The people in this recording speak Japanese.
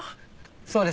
そうです。